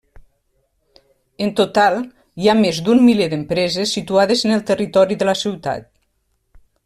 En total, hi ha més d'un miler d'empreses situades en el territori de la ciutat.